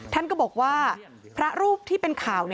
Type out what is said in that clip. ท่านก็บอกว่าพระรูปที่เป็นข่าว